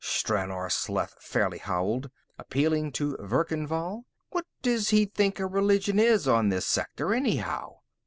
Stranor Sleth fairly howled, appealing to Verkan Vall. "What does he think a religion is, on this sector, anyhow?